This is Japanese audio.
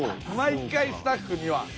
毎回スタッフには。